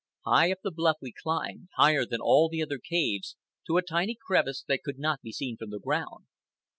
High up the bluff we climbed, higher than all the other caves, to a tiny crevice that could not be seen from the ground.